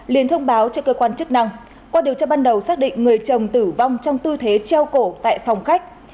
liên thông báo cho cơ quan chức năng qua điều tra ban đầu xác định người chồng tử vong trong tư thế treo cổ tại phòng khách